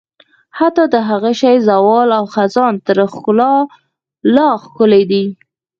حتی د هغه شي زوال او خزان تر ښکلا لا ښکلی دی.